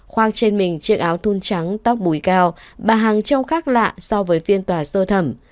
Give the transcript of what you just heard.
khoang trên mình chiếc áo thun trắng tóc bùi cao bà hàng trông khác lạ so với phiên tòa sơ thẩm